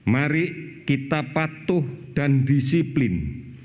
mari kita patuh dan disiplin